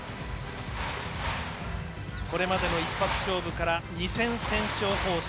これまでの一発勝負から２戦先勝方式。